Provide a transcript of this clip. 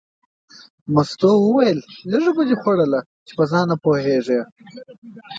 مستو وویل لږه به دې خوړه چې په ځان نه پوهېږې.